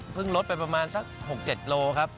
ลดไปประมาณสัก๖๗โลครับ